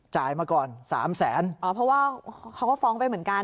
มาก่อนสามแสนอ๋อเพราะว่าเขาก็ฟ้องไปเหมือนกัน